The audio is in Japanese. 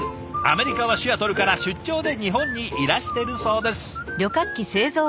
アメリカはシアトルから出張で日本にいらしてるそうです。